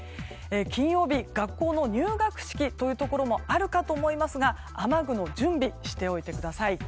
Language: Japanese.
金曜日学校の入学式というところもあるかと思いますが雨具の準備をしておいてください。